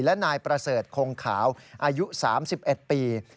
และนายประเสริฐคงขาวอายุ๓๑ปี